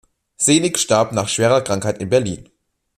Seelig starb nach schwerer Krankheit in Berlin.